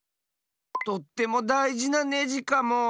とってもだいじなネジかも。